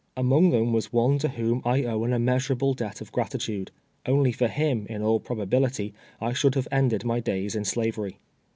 Among them was one to whom I owe an immeas urable debt of gratitude. Only for him, in all prob ability, I should have ended my days in slavery.